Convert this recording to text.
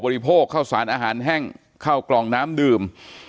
โภคข้าวสารอาหารแห้งข้าวกล่องน้ำดื่ม